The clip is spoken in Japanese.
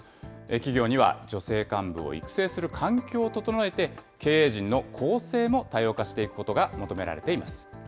企業には女性幹部を育成する環境を整えて、経営陣の構成も多様化していくことが求められています。